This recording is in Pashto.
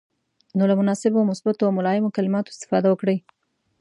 نو له مناسبو، مثبتو او ملایمو کلماتو استفاده وکړئ.